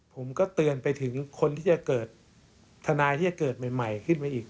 ผมก็เตือนไปถึงคนที่จะเกิดทนายที่จะเกิดใหม่ขึ้นมาอีก